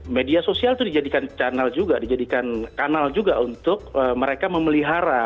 media sosial itu dijadikan channel juga dijadikan kanal juga untuk mereka memelihara